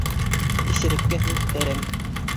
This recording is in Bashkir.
Иҫереккә һүҙ әрәм.